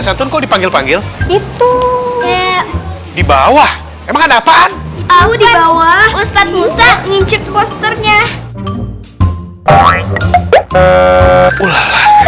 santun kok dipanggil panggil itu di bawah emang ada apaan di bawah ustadz musa ngincit posternya